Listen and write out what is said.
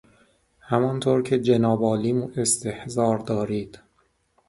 همانطور که جناب عالی استحضار دارید...